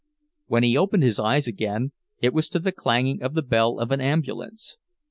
When he opened his eyes again it was to the clanging of the bell of an ambulance.